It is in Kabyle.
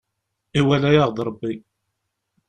Iwala-yaɣ-d Rebbi.